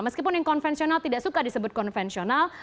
meskipun yang konvensional tidak suka disebut konvensional